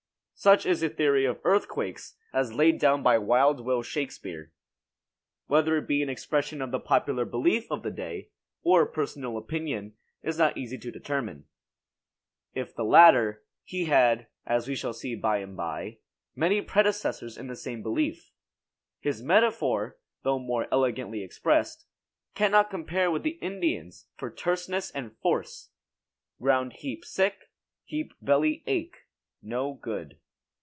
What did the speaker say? Such is the theory of earthquakes as laid down by "Wild Will Shakespeare." Whether it be an expression of the popular belief of the day, or a personal opinion, is not easy to determine. If the latter, he had, as we shall see by and by, many predecessors in the same belief. His metaphor, though more elegantly expressed, cannot compare with the Indian's for terseness and force: "Ground heap sick heap belly ache no good!"